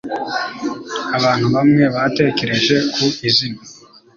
Abantu bamwe batekereje ku izina